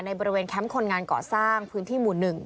บริเวณแคมป์คนงานก่อสร้างพื้นที่หมู่๑